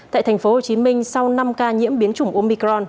tại thành phố hồ chí minh sau năm ca nhiễm biến chủng omicron